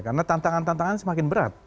karena tantangan tantangan semakin berat